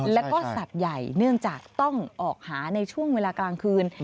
แล้วก็สัตว์ใหญ่เนื่องจากต้องออกหาในช่วงเวลากลางคืน